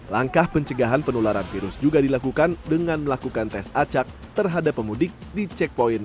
langkah pencegahan penularan virus juga dilakukan dengan melakukan tes acak terhadap pemudik di checkpoint